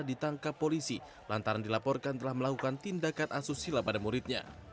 ditangkap polisi lantaran dilaporkan telah melakukan tindakan asusila pada muridnya